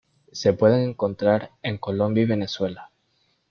Se pueden encontrar en Colombia y Venezuela.